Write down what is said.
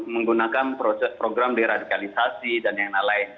menggunakan program deradikalisasi dan yang lain lain